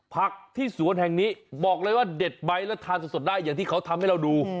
ผักที่สวนแห่งนี้บอกเลยว่าเด็ดไหมแล้วทานสดได้อย่างที่เขาทำให้เราดู